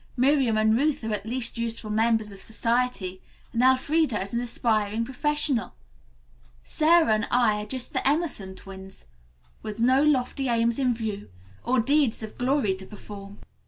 Miriam and Ruth are at least useful members of society, and Elfreda is an aspiring professional. Sara and I are just the Emerson twins, with no lofty aims in view, or deeds of glory to perform."